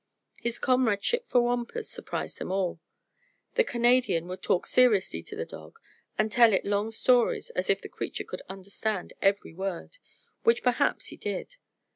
His comradeship for Wampus surprised them all. The Canadian would talk seriously to the dog and tell it long stories as if the creature could understand every word which perhaps he did.